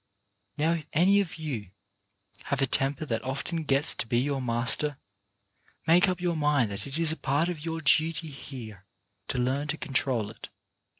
Now if any of you have a temper that often gets to be your master, make up your mind that it is a part of your duty here to learn to control it.